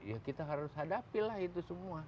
ya kita harus hadapi lah itu semua